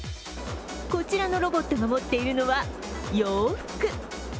こちらのロボットが持っているのは洋服。